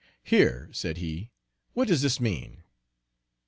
"Here," said he, "what does this mean."